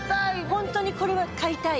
ホントにこれは買いたい。